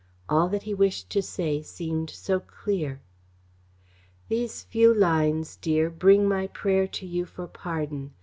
All that he wished to say seemed so clear: These few lines, dear, bring my prayer to you for pardon.